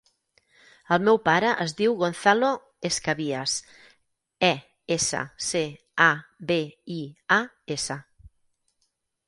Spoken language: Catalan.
El meu pare es diu Gonzalo Escabias: e, essa, ce, a, be, i, a, essa.